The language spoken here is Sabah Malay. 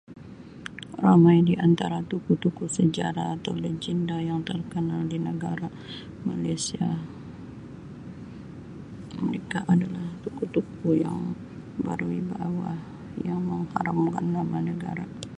Ramai di antara tokoh-tokoh sejarah atau lagenda yang terkenal di negara Malaysia mereka adalah tokoh-tokoh yang berwibawa yang mengharumkan nama negara.